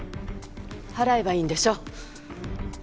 払えばいいんでしょ。